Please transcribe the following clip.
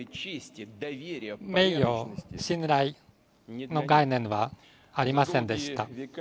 名誉、信頼の概念はありませんでした。